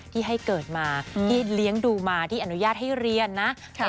ที่ให้เกิดมาที่เลี้ยงดูมาที่อนุญาตให้เรียนนะ